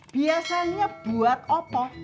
biasanya buat apa